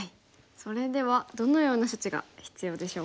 それではどのような処置が必要でしょうか。